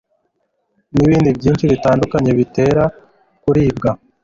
n'ibindi byinshi bitandukanye bitera kuribwa